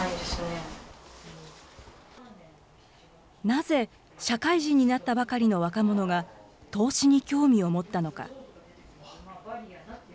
なぜ、社会人になったばかりの若者が投資に興味を持ったのか。